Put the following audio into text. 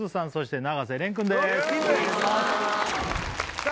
さあ